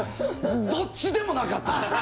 どっちでもなかった！